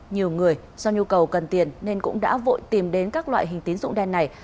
nhiều người do nhu cầu cần tiền nên cũng đã vội tìm đến các loại hình tín dụng đen này